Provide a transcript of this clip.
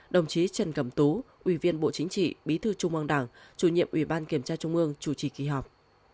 đồng chí trần cẩm tú ủy viên bộ chính trị bí thư trung ương đảng chủ nhiệm ủy ban kiểm tra trung ương chủ trì kỳ họp